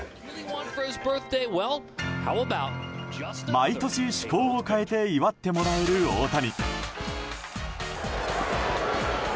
毎年、趣向を変えて祝ってもらえる大谷。